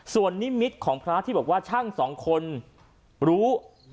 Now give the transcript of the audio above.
ส่วนนิมิตของพระที่บอกว่าช่างสองคนรู้